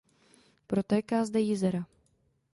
Protéká zde Jizera.